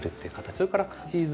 それからチーズ。